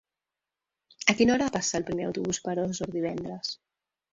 A quina hora passa el primer autobús per Osor divendres?